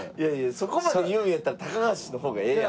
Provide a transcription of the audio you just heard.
そこまで言うんやったら高橋の方がええやん。